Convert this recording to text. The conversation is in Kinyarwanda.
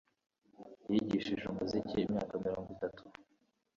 Yigishije umuziki imyaka mirongo itatu